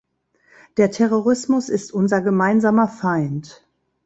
Der Terrorismus ist unser gemeinsamer Feind.